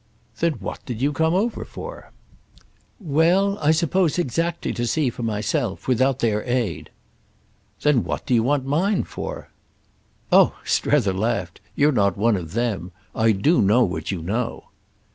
"Then what did you come over for?" "Well, I suppose exactly to see for myself—without their aid." "Then what do you want mine for?" "Oh," Strether laughed, "you're not one of them! I do know what you know."